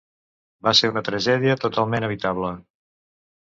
Va ser una tragèdia totalment evitable.